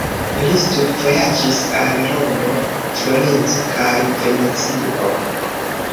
Li studvojaĝis al Romo, Florenco kaj Venecio.